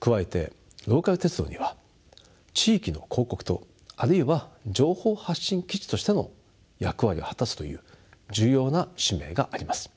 加えてローカル鉄道には地域の広告塔あるいは情報発信基地としての役割を果たすという重要な使命があります。